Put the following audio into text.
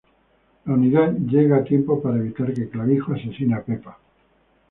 La Unidad llega a tiempo para evitar que Clavijo asesine a Pepa.